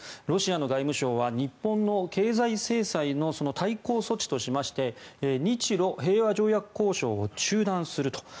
ロシアの外務省は日本の経済制裁の対抗措置としまして日ロ平和条約交渉を中断すると。